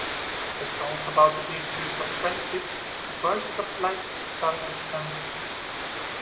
As they talk about the virtues of friendship, a burst of light startles them.